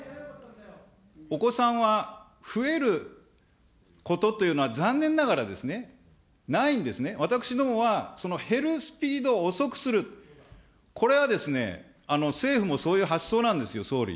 お子さんは増えることというのは、残念ながらですね、ないんですね、私どもはその減るスピードを遅くする、これはですね、政府もそういう発想なんですよ、総理。